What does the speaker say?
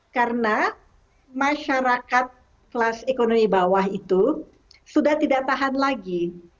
karena masyarakat kelas ekonomi bawah itu sudah tidak tahan lagi